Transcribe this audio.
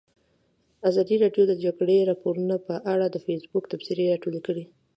ازادي راډیو د د جګړې راپورونه په اړه د فیسبوک تبصرې راټولې کړي.